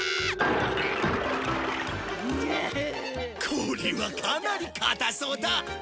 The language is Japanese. これはかなり固そうだ